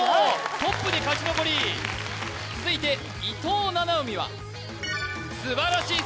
トップで勝ち残り続いて伊藤七海は素晴らしい